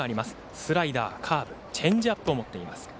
スライダー、カーブチェンジアップを持っています。